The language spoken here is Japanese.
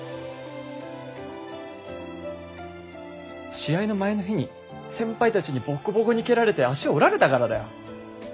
試合の前の日に先輩たちにボッコボコに蹴られて足折られたからだよ。